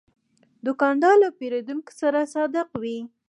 دوکاندار له پیرودونکو سره صادق وي.